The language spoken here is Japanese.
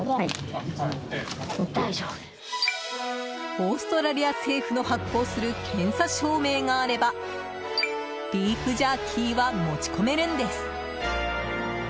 オーストラリア政府の発行する検査証明があればビーフジャーキーは持ち込めるんです。